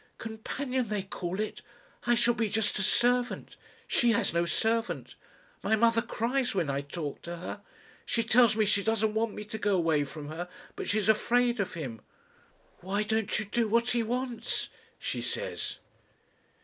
"Companion they call it. I shall be just a servant she has no servant. My mother cries when I talk to her. She tells me she doesn't want me to go away from her. But she's afraid of him. 'Why don't you do what he wants?' she says."